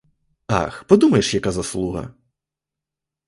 Ах, подумаєш, яка заслуга!